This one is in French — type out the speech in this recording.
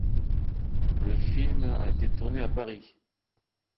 Le film a été tourné à Paris.